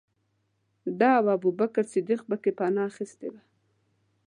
ده او ابوبکر صدیق پکې پنا اخستې وه.